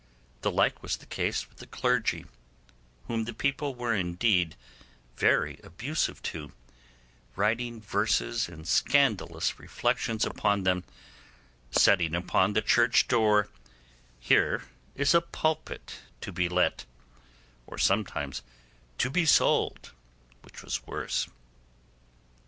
The like was the case with the clergy, whom the people were indeed very abusive to, writing verses and scandalous reflections upon them, setting upon the church door, 'Here is a pulpit to be let', or sometimes, 'to be sold', which was worse.